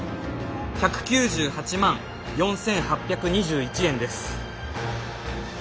１９８万４，８２１円です。